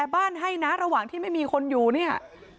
บ้านให้นะระหว่างที่ไม่มีคนอยู่เนี่ย